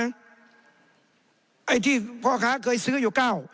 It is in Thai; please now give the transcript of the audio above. ไอ้ที่พ่อค้าเคยซื้ออยู่๙